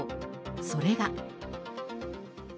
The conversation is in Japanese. それが。